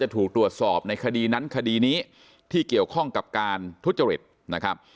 ถูกตรวจสอบในคดีนั้นคดีนี้ที่เกี่ยวข้องกับการทุจริตนะครับ